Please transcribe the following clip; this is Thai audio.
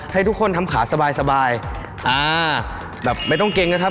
ให้ทุกคนทำขาสบายสบายอ่าแบบไม่ต้องเกรงนะครับ